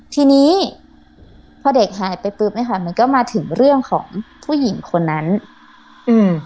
ทีนี้พอเด็กหายไปปุ๊บเนี้ยค่ะมันก็มาถึงเรื่องของผู้หญิงคนนั้นอืม